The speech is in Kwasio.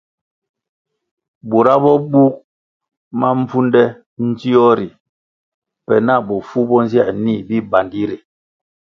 Bura bo bug mabvunde ndzio ri pe na bofu bo nziē nih bibandi ri.